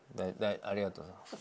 ありがとうございます。